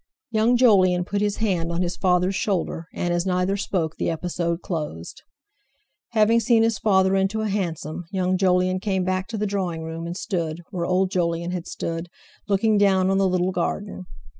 Young Jolyon put his hand on his father's shoulder, and, as neither spoke, the episode closed. Having seen his father into a hansom, young Jolyon came back to the drawing room and stood, where old Jolyon had stood, looking down on the little garden.